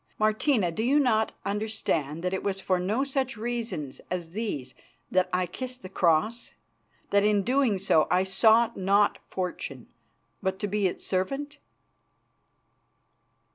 Martina, do you not understand that it was for no such reasons as these that I kissed the Cross; that in so doing I sought not fortune, but to be its servant?"